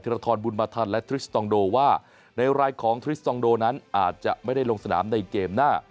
รทรบุญมาทันและทริสตองโดว่าในรายของทริสตองโดนั้นอาจจะไม่ได้ลงสนามในเกมหน้า